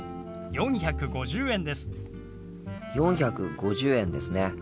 ４５０円ですね。